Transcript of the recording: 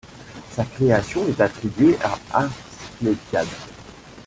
Sa création est attribuée à Asclépiade.